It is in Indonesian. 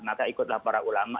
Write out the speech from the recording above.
maka ikutlah para ulama